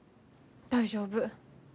大丈夫。